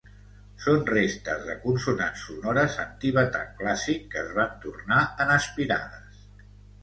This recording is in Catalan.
Són restes de consonants sonores en tibetà clàssic que es van tornar en aspirades.